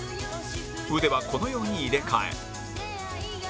腕はこのように入れ替え